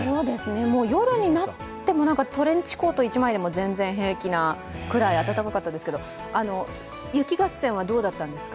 もう夜になってもトレンチコート一枚でも全然平気なくらい暖かかったですけど雪合戦はどうだったんですか？